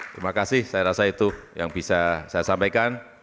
terima kasih saya rasa itu yang bisa saya sampaikan